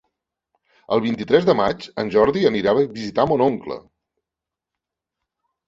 El vint-i-tres de maig en Jordi anirà a visitar mon oncle.